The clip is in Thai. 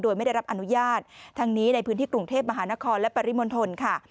โดยไม่ได้รับอนุญาตทั้งนี้ในพื้นที่กรุงเทพมหานครและปริมณฑลค่ะ